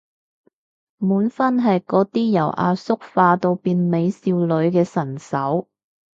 滿分係嗰啲由阿叔化到變美少女嘅神手